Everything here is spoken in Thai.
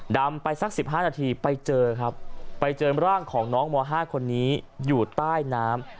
ดำไปสัก๑๕นาทีไปเจอครับไปเจอร่างของน้องม๕คนนี้อยู่ใต้น้ำ